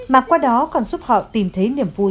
mà qua đó còn giúp họ tìm thấy niềm vui